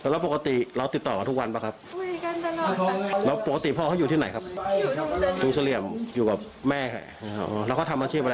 แล้วปกติเราติดต่อทุกวันป่าวครับ